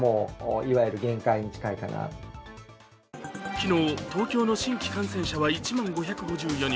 昨日、東京の新規感染者数は１万５５４人。